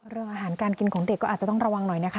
เรื่องอาหารการกินของเด็กก็อาจจะต้องระวังหน่อยนะคะ